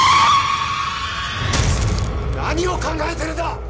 何を考えてるんだ！